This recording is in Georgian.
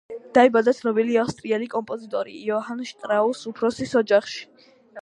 დაიბადა ცნობილი ავსტრიელი კომპოზიტორის იოჰან შტრაუს უფროსის ოჯახში.